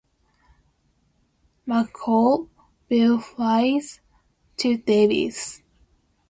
McCall - Bill Fries - Chip Davis.